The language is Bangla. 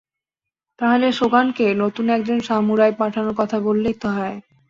তাহলে সোগানকে নতুন একজন সামুরাই পাঠানোর কথা বললেই তো হয়।